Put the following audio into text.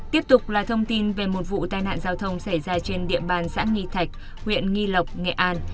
tiếp tục là thông tin về một vụ tai nạn giao thông xảy ra trên địa bàn xã nghi thạch huyện nghi lộc nghệ an